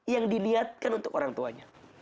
yang diniatkan untuk orang tuanya